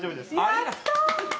やった。